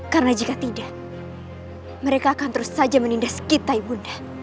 karena jika tidak mereka akan terus saja menindas kita ibu nda